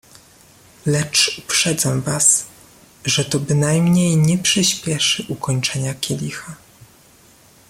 "Lecz uprzedzam was, że to bynajmniej nie przyśpieszy ukończenia kielicha."